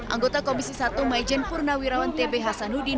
anggota komisi satu majen purnawirawan t b hasanudin